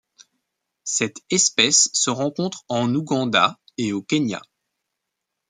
Cette espèce se rencontre en Ouganda et au Kenya.